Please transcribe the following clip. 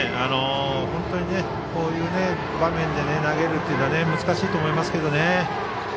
本当にこういう場面で投げるのは難しいと思いますけどね。